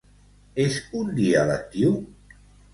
És un dia lectiu?